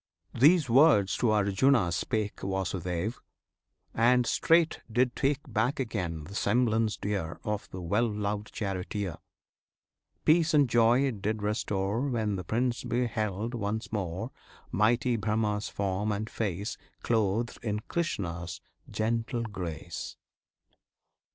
These words to Arjuna spake Vasudev, and straight did take Back again the semblance dear Of the well loved charioteer; Peace and joy it did restore When the Prince beheld once more Mighty BRAHMA's form and face Clothed in Krishna's gentle grace.